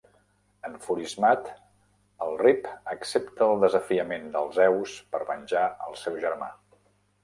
Enfurismat, el Rip accepta el desafiament del Zeus per venjar el seu germà.